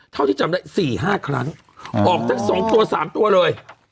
เท่าที่จำได้สี่ห้าครั้งออกจากสองตัวสามตัวเลย